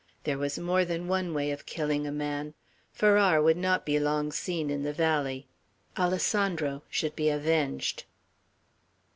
There was more than one way of killing a man. Farrar would not be long seen in the valley. Alessandro should be avenged.